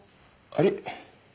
あれ？